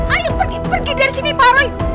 ayo pergi pergi dari sini pak roy